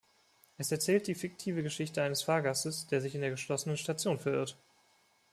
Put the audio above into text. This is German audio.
Es erzählt die fiktive Geschichte eines Fahrgastes, der sich in der geschlossenen Station verirrt.